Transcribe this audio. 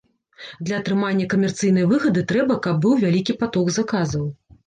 Для атрымання камерцыйнай выгады трэба, каб быў вялікі паток заказаў.